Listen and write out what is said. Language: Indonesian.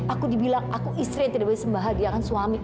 aku dibilang aku istri yang tidak boleh sembahagiakan suami